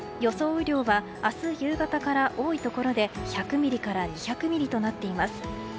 雨量は、明日夕方から多いところで１００ミリから２００ミリとなっています。